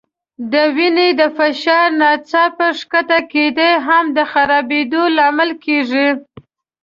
د وینې د فشار ناڅاپي ښکته کېدل هم د خرابېدو لامل کېږي.